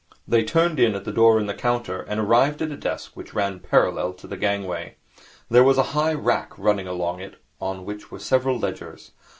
They turned in at the door in the counter, and arrived at a desk which ran parallel to the gangway. There was a high rack running along it, on which were several ledgers.